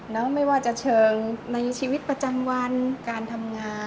ไม่ว่าจะเชิงในชีวิตประจำวันการทำงาน